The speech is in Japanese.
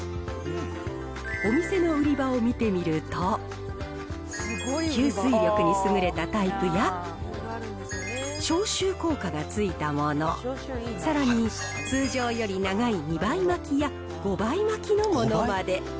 お店の売り場を見てみると、吸水力に優れたタイプや、消臭効果がついたもの、さらに、通常より長い２倍巻きや、５倍巻きのものまで。